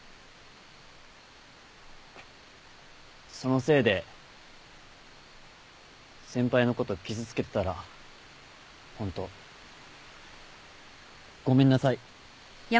そのせいで先輩のこと傷つけてたらホントごめんなさい。